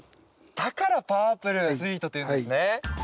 だからパープルスイートというんですね。